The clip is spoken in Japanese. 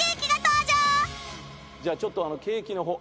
じゃあちょっとケーキの方。